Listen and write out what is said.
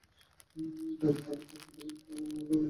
তারপর তারা তাকে প্রত্যাখ্যান করল এবং আমরা তাদেরকে ধ্বংস করলাম।